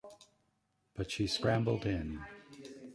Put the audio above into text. But she scrambled in.